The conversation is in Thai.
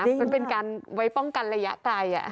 มันเป็นการไว้ป้องกันระยะไกล